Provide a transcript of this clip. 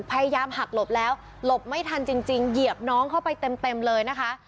พยายามหักหลบแล้วหลบไม่ทันจริงเหยียบน้องเข้าไปเต็มเลยนะคะ